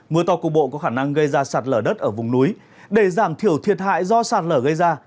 mưa to cục bộ có khả năng gây ra sạt lở đất ở vùng núi để giảm thiểu thiệt hại do sạt lở gây ra